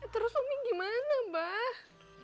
terus umi gimana mbak